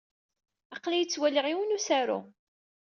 Aql-iyi ttwaliɣ yiwen n usaru.